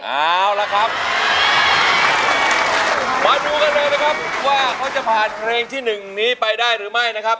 เอาละครับมาดูกันเลยนะครับว่าเขาจะผ่านเพลงที่หนึ่งนี้ไปได้หรือไม่นะครับ